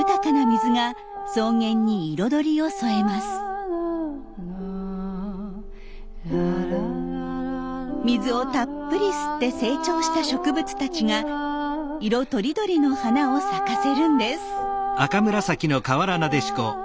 水をたっぷり吸って成長した植物たちが色とりどりの花を咲かせるんです。